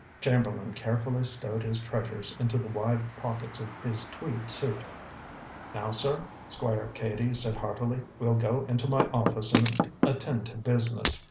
Chamberlain carefully stowed his treasures into the wide pockets of his tweed suit. "Now, sir," Squire Cady said heartily, "we'll go into my office and attend to business.